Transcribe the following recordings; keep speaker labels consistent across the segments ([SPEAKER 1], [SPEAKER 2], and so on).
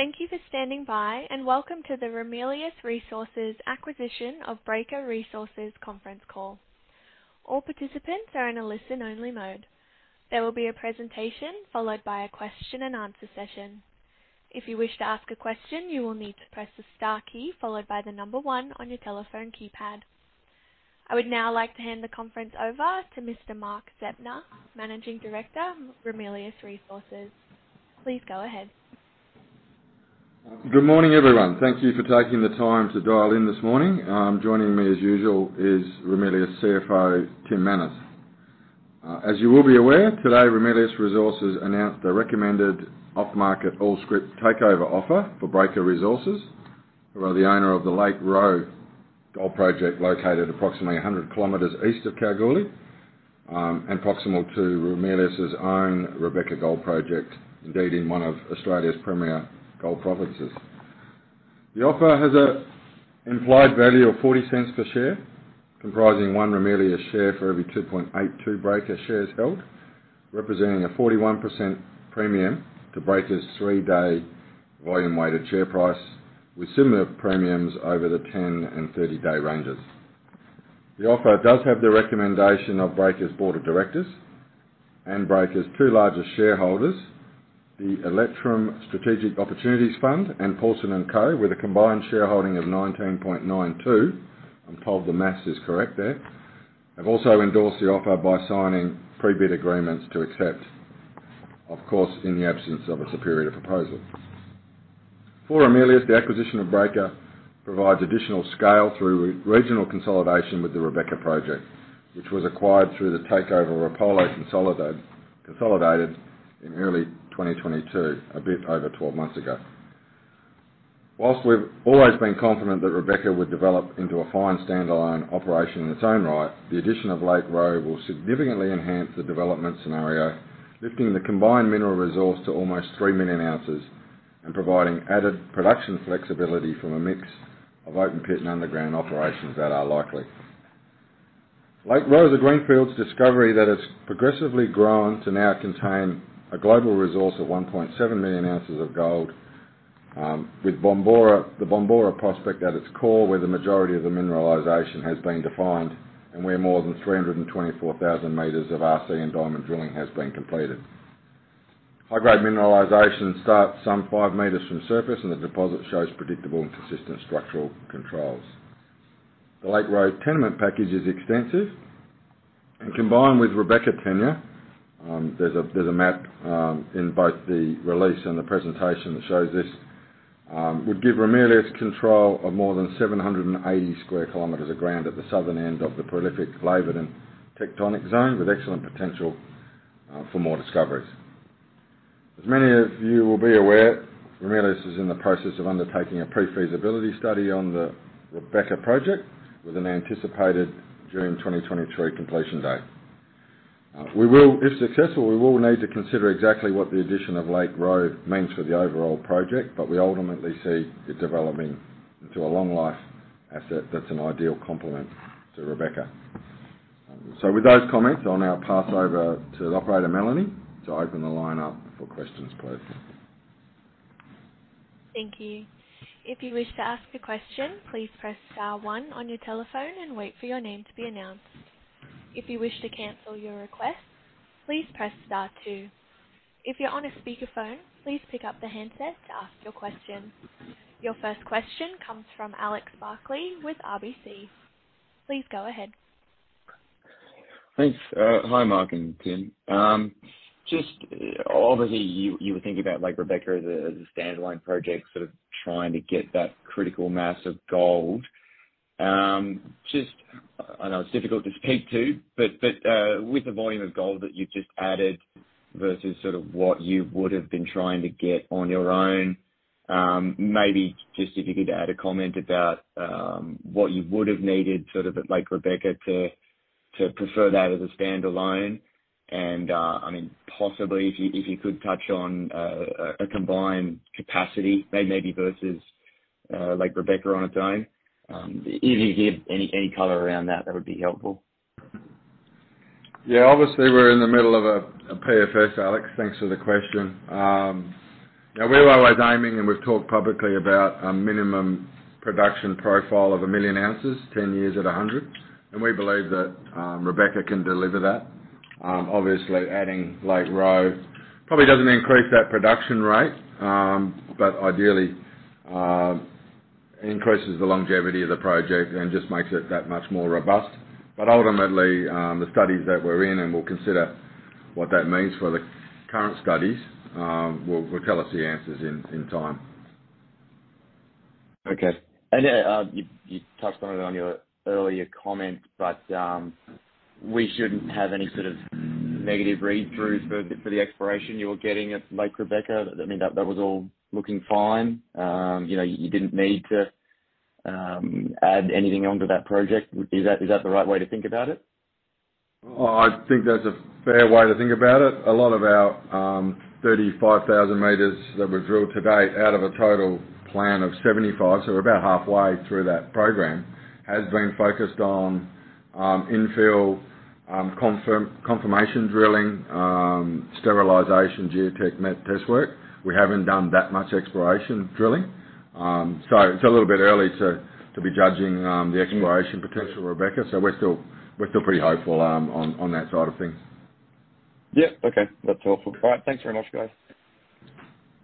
[SPEAKER 1] Thank you for standing by. Welcome to the Ramelius Resources Acquisition of Breaker Resources Conference Call. All participants are in a listen-only mode. There will be a presentation followed by a question and answer session. If you wish to ask a question, you will need to press the star key followed by one on your telephone keypad. I would now like to hand the conference over to Mr. Mark Zeptner, Managing Director, Ramelius Resources. Please go ahead.
[SPEAKER 2] Good morning, everyone. Thank you for taking the time to dial in this morning. Joining me as usual is Ramelius CFO, Tim Manners. As you will be aware, today, Ramelius Resources announced the recommended off-market all-scrip takeover offer for Breaker Resources who are the owner of the Lake Roe Gold Project, located approximately 100 km east of Kalgoorlie, and proximal to Ramelius's own Rebecca Gold Project, indeed in one of Australia's premier gold provinces. The offer has an implied value of 0.40 per share, comprising one Ramelius share for every 2.82 Breaker shares held, representing a 41% premium to Breaker's day-day volume-weighted share price, with similar premiums over the 10 and 30-day ranges. The offer does have the recommendation of Breaker's Board of Directors and Breaker's two largest shareholders, the Electrum Strategic Opportunities Fund and Paulson & Co, with a combined shareholding of 19.92, I'm told the math is correct there. Have also endorsed the offer by signing pre-bid agreements to accept, of course, in the absence of a superior proposal. For Ramelius, the acquisition of Breaker provides additional scale through re-regional consolidation with the Rebecca Project, which was acquired through the takeover of Apollo Consolidated in early 2022, a bit over 12 months ago. Whilst we've always been confident that Rebecca would develop into a fine standalone operation in its own right, the addition of Lake Roe will significantly enhance the development scenario, lifting the combined mineral resource to almost three million ounces and providing added production flexibility from a mix of open pit and underground operations that are likely. Lake Roe is a greenfield's discovery that has progressively grown to now contain a global resource of 1.7 million ounces of gold, with Bombora, the Bombora prospect at its core, where the majority of the mineralization has been defined and where more than 324,000 meters of RC and diamond drilling has been completed. High-grade mineralization starts some 5m from surface. The deposit shows predictable and consistent structural controls. The Lake Roe tenement package is extensive. Combined with Rebecca tenure, there's a map in both the release and the presentation that shows this, would give Ramelius control of more than 780 sq km of ground at the southern end of the prolific Laverton Tectonic Zone, with excellent potential for more discoveries. As many of you will be aware, Ramelius is in the process of undertaking a pre-feasibility study on the Rebecca Project with an anticipated June 2023 completion date. If successful, we will need to consider exactly what the addition of Lake Roe means for the overall project, but we ultimately see it developing into a long life asset that's an ideal complement to Rebecca. With those comments, I'll now pass over to the operator, Melanie, to open the line up for questions, please.
[SPEAKER 1] Thank you. If you wish to ask a question, please press star one on your telephone and wait for your name to be announced. If you wish to cancel your request, please press star two. If you're on a speakerphone, please pick up the handset to ask your question. Your first question comes from Alex Barkley with RBC. Please go ahead.
[SPEAKER 3] Thanks. Hi, Mark and Tim. Just obviously you were thinking about Lake Rebecca as a standalone project, sort of trying to get that critical mass of gold. Just I know it's difficult to speak to, but with the volume of gold that you've just added versus sort of what you would have been trying to get on your own, maybe just if you could add a comment about what you would have needed sort of at Lake Rebecca to prefer that as a standalone. I mean, possibly if you, if you could touch on a combined capacity maybe versus Lake Rebecca on its own. If you could give any color around that would be helpful.
[SPEAKER 2] Yeah, obviously, we're in the middle of a PFS, Alex. Thanks for the question. Yeah, we're always aiming, we've talked publicly about a minimum production profile of one million ounces, 10 years at 100. We believe that Rebecca can deliver that. Obviously adding Lake Roe probably doesn't increase that production rate, but ideally increases the longevity of the project and just makes it that much more robust. Ultimately, the studies that we're in and we'll consider what that means for the current studies, will tell us the answers in time.
[SPEAKER 3] Okay. You touched on it on your earlier comment, but we shouldn't have any sort of negative read-throughs for the exploration you were getting at Lake Rebecca. I mean, that was all looking fine. You know, you didn't need to add anything onto that project. Is that the right way to think about it?
[SPEAKER 2] I think that's a fair way to think about it. A lot of our 35,000 meters that were drilled to date out of a total plan of 75, so we're about halfway through that program, has been focused on infill, confirmation drilling, sterilization, geotech met test work. We haven't done that much exploration drilling. It's a little bit early to be judging the exploration potential at Rebecca. We're still pretty hopeful on that side of things.
[SPEAKER 4] Yep. Okay. That's helpful. All right. Thanks very much, guys.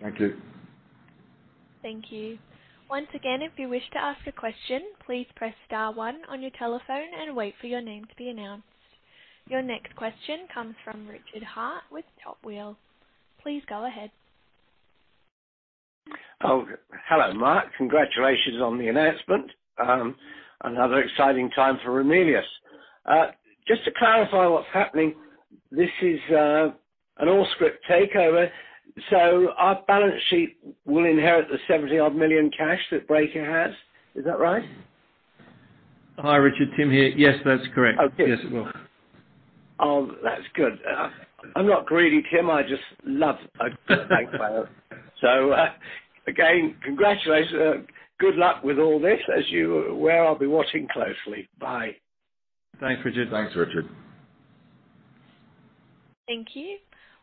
[SPEAKER 2] Thank you.
[SPEAKER 1] Thank you. Once again, if you wish to ask a question, please press star one on your telephone and wait for your name to be announced. Your next question comes from Richard Hart with Top Wheel. Please go ahead.
[SPEAKER 5] Hello, Mark. Congratulations on the announcement. Another exciting time for Ramelius. Just to clarify what's happening, this is an all-scrip takeover. Our balance sheet will inherit the 70 odd million cash that Breaker has. Is that right?
[SPEAKER 6] Hi, Richard. Tim here. Yes, that's correct.
[SPEAKER 5] Okay.
[SPEAKER 2] Yes, it will.
[SPEAKER 5] Oh, that's good. I'm not greedy, Tim. I just love a big payout. Again, congratulations, and good luck with all this. As you were aware, I'll be watching closely. Bye.
[SPEAKER 6] Thanks, Richard.
[SPEAKER 7] Thanks, Richard.
[SPEAKER 1] Thank you.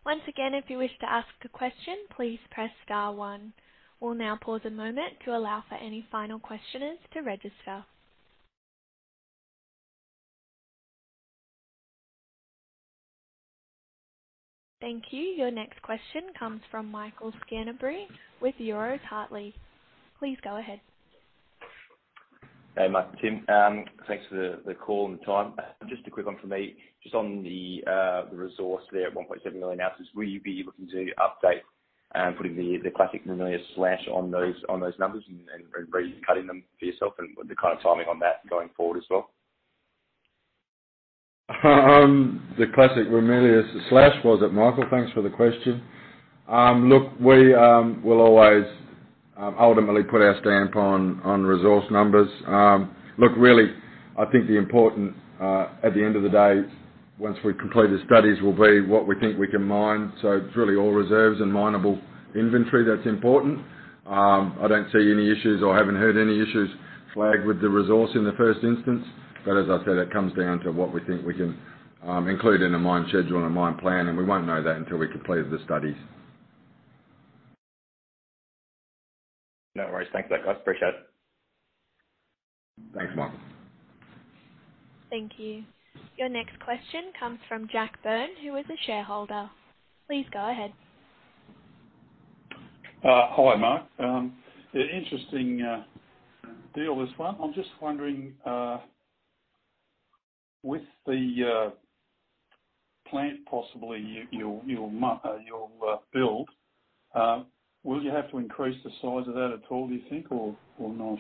[SPEAKER 1] Once again, if you wish to ask a question, please press star one. We'll now pause a moment to allow for any final questioners to register. Thank you. Your next question comes from Michael Scantlebury with Euroz Hartleys. Please go ahead.
[SPEAKER 7] Hey, Mark and Tim. Thanks for the call and time. Just a quick one from me. Just on the resource there at 1.7 million ounces, will you be looking to update, putting the classic Ramelius slash on those numbers and re-recutting them for yourself and what's the kind of timing on that going forward as well?
[SPEAKER 2] The classic Ramelius slash. Was it Michael? Thanks for the question. Look, we will always ultimately put our stamp on resource numbers. Look, really, I think the important, at the end of the day, once we complete the studies, will be what we think we can mine. It's really all reserves and mineable inventory that's important. I don't see any issues or haven't heard any issues flagged with the resource in the first instance. As I said, it comes down to what we think we can include in a mine schedule and a mine plan, and we won't know that until we complete the studies.
[SPEAKER 7] No worries. Thanks for that guys. Appreciate it.
[SPEAKER 2] Thanks, Michael.
[SPEAKER 1] Thank you. Your next question comes from Jack Byrne, who is a shareholder. Please go ahead.
[SPEAKER 8] Hi, Mark. An interesting deal, this one. I'm just wondering with the plant possibly you'll build, will you have to increase the size of that at all, do you think, or not?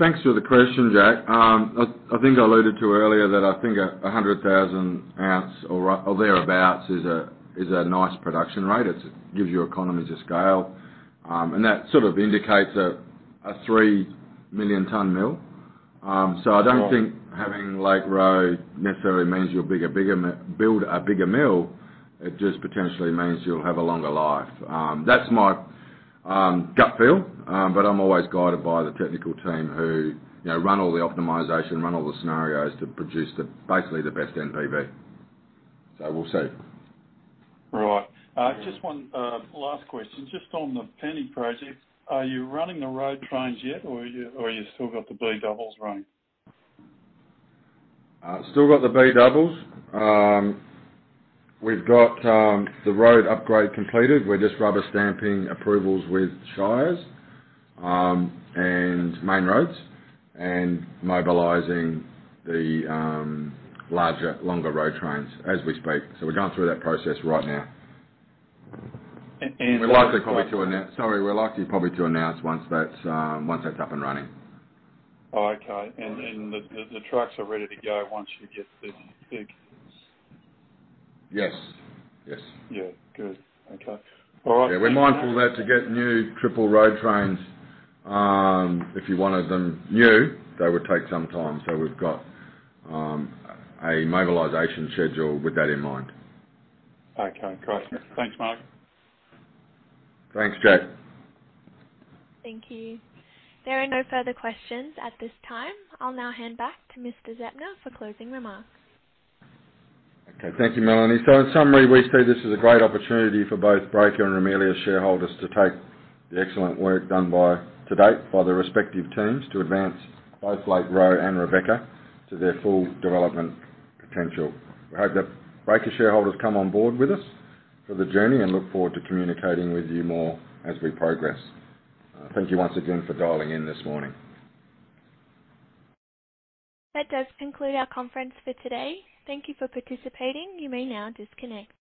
[SPEAKER 2] Thanks for the question, Jack. I think I alluded to earlier that I think 100,000 ounce or thereabouts is a, is a nice production rate. It gives you economies of scale. That sort of indicates a three-million ton mill. I don't think having Lake Roe necessarily means you'll build a bigger mill. It just potentially means you'll have a longer life. That's my gut feel. I'm always guided by the technical team who, you know, run all the optimization, run all the scenarios to produce the, basically the best NPV. We'll see.
[SPEAKER 8] Right. just one, last question. Just on the planning project, are you running the road trains yet or you still got the B-doubles running?
[SPEAKER 2] Still got the B-doubles. We've got the road upgrade completed. We're just rubber-stamping approvals with Shires, and Main Roads and mobilizing the larger, longer road trains as we speak. We're going through that process right now.
[SPEAKER 8] A-and-
[SPEAKER 2] Sorry. We're likely probably to announce once that once that's up and running.
[SPEAKER 8] Oh, okay. The trucks are ready to go once you get the big...
[SPEAKER 2] Yes. Yes.
[SPEAKER 8] Yeah. Good. Okay. All right.
[SPEAKER 2] We're mindful that to get new triple road trains, if you wanted them new, they would take some time. We've got, a mobilization schedule with that in mind.
[SPEAKER 8] Okay. Great. Thanks, Mark.
[SPEAKER 2] Thanks, Jack.
[SPEAKER 1] Thank you. There are no further questions at this time. I'll now hand back to Mr. Zeptner for closing remarks.
[SPEAKER 2] Okay. Thank you, Melanie. In summary, we see this as a great opportunity for both Breaker and Ramelius shareholders to take the excellent work done to date by the respective teams to advance both Lake Roe and Rebecca to their full development potential. We hope that Breaker shareholders come on board with us for the journey and look forward to communicating with you more as we progress. Thank you once again for dialing in this morning.
[SPEAKER 1] That does conclude our conference for today. Thank you for participating. You may now disconnect.